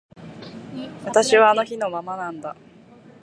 私はあの日のままなんだ